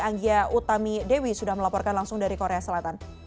anggia utami dewi sudah melaporkan langsung dari korea selatan